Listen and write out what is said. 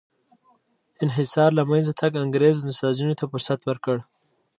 انحصار له منځه تګ انګرېز نساجانو ته فرصت ورکړ.